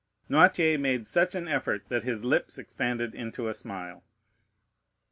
Noirtier made such an effort that his lips expanded into a smile.